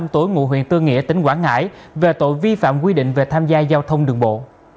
bốn mươi năm tuổi ngụ huyện tương nghĩa tỉnh quảng ngãi về tội vi phạm quy định về tham gia giao thông đường bộ